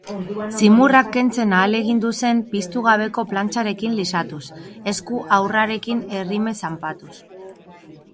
Zimurrak kentzen ahalegindu zen piztu gabeko plantxarekin lisatuz, esku ahurrarekin errime zanpatuz.